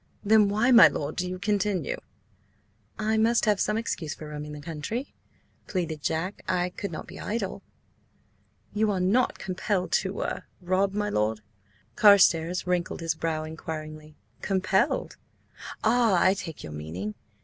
"Then why, my lord, do you continue?" "I must have some excuse for roaming the country," pleaded Jack. "I could not be idle." "You are not–compelled to–er–rob, my lord?" Carstares wrinkled his brow inquiringly. "Compelled? Ah–I take your meaning.